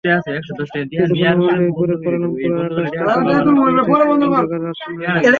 কিছুক্ষণের মধ্যেই পুরো কুয়ালালামপুরের আকাশটা কালো মেঘে ঢেকে অন্ধকারে আচ্ছন্ন হয়ে গেল।